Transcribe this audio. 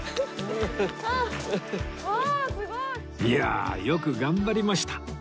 いやあ！よく頑張りました